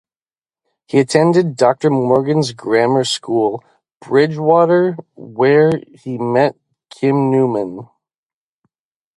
He attended Doctor Morgan's Grammar School, Bridgwater where he met Kim Newman.